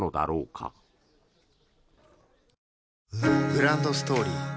グランドストーリー